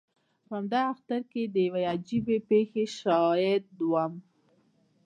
په همدغه اختر کې د یوې عجیبې پېښې شاهد وم.